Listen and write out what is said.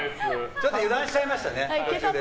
ちょっと油断しちゃいましたね。